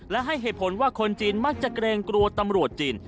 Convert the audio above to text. และให้เหตุผลว่าคนจีนมักจะเกรงกลัวตำรวจจีน